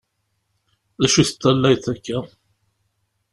D acu i teṭallayeḍ akka?